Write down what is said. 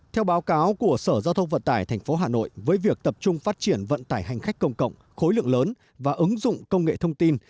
theo báo cáo của sở giao thông vận tải tp hà nội với việc tập trung phát triển vận tải hành khách công cộng khối lượng lớn và ứng dụng công nghệ thông tin